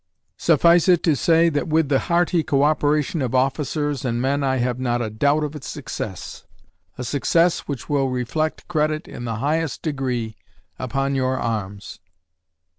Suffice it to say, that with the hearty cooperation of officers and men I have not a doubt of its success, a success which will reflect credit in the highest degree upon your arms.